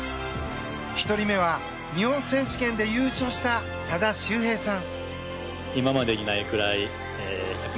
１人目は、日本選手権で優勝した多田修平さん。